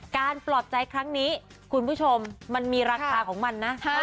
ปลอบใจครั้งนี้คุณผู้ชมมันมีราคาของมันนะ